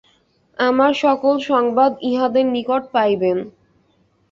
আমার সকল সংবাদ ইঁহাদের নিকট পাইবেন।